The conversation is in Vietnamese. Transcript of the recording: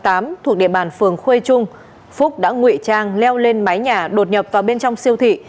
thuộc địa bàn phường khuê trung phúc đã ngụy trang leo lên mái nhà đột nhập vào bên trong siêu thị